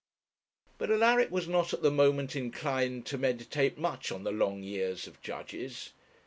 But Alaric was not at the moment inclined to meditate much on the long years of judges.